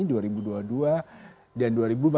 dua ribu dua puluh dua dan dua ribu dua puluh tiga